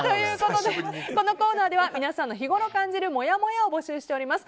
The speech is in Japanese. このコーナーでは皆さんの日ごろ感じるもやもやを募集しています。